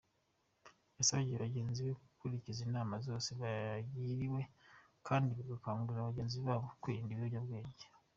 Yasabye bagenzi be gukurikiza inama zose bagiriwe kandi bagakangurira bagenzi babo kwirinda ibiyobyabwenge.